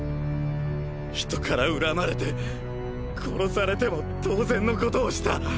人から恨まれて殺されても当然のことをした。